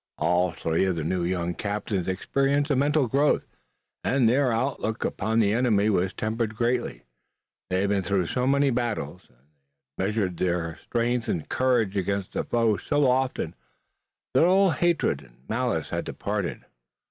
All three of the new young captains experienced a mental growth, and their outlook upon the enemy was tempered greatly. They had been through so many battles and they had measured their strength and courage against the foe so often that all hatred and malice had departed.